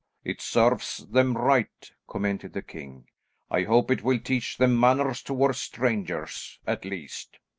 "It serves them right," commented the king. "I hope it will teach them manners, towards strangers, at least.